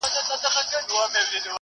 زه چپنه پاک کړې ده!.